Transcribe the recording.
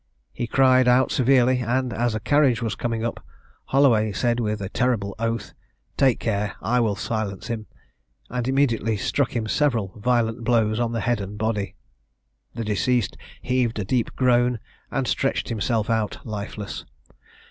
He cried out severely; and, as a carriage was coming up, Holloway said, with a terrible oath, 'Take care, I will silence him;' and immediately struck him several violent blows on the head and body. The deceased heaved a deep groan, and stretched himself out lifeless.